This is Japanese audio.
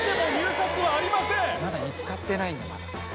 まだ見つかってないんだ。